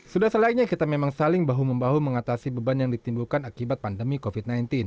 sudah selainnya kita memang saling bahu membahu mengatasi beban yang ditimbulkan akibat pandemi covid sembilan belas